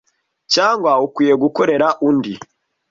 cyangwa ukwiye gukorera undi.